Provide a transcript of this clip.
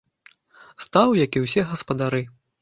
Стаў, як і ўсе гаспадары.